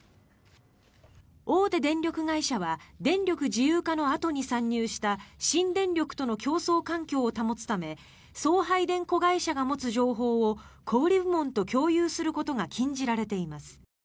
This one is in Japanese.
大手電力会社は電力自由化のあとに参入した新電力との競争環境を保つため送配電子会社が持つ情報を小売部門と共有することが禁じられています。